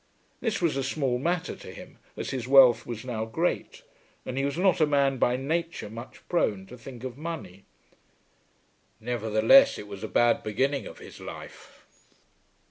This was a small matter to him as his wealth was now great, and he was not a man by nature much prone to think of money. Nevertheless it was a bad beginning of his life.